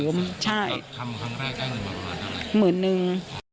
ก็ทำครั้งแรกได้เงินหมาประมาณ๑๐๐๐บาทสิใช่ไหมฮะ